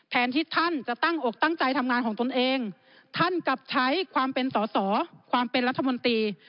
ที่ท่านจะตั้งอกตั้งใจทำงานของตนเองท่านกลับใช้ความเป็นสอสอความเป็นรัฐมนตรี